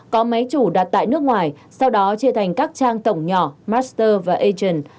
có máy chủ đặt tại nước ngoài sau đó chia thành các trang tổng nhỏ master và ation